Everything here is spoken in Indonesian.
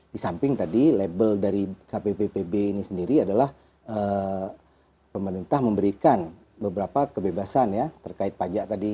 di samping tadi label dari kppb ini sendiri adalah pemerintah memberikan beberapa kebebasan ya terkait pajak tadi